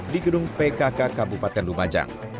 di gedung pkk kabupaten lumajang